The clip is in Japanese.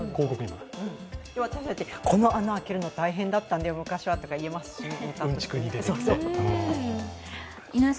昔、この穴開けるの大変だったんでとか言えますしね。